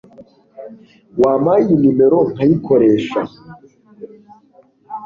Wampaye iyi numero nkayikoresha